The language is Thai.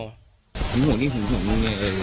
บ๊วยเพิ่งห่วงนี่หุงห่วงด้วยเนี่ยหุงหุงครับ